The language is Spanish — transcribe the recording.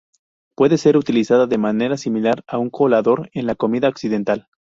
Puede ser utilizada de manera similar a un colador en la comida occidental.